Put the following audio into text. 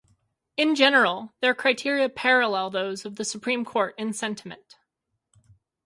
In general, their criteria parallel those of the supreme court in sentiment.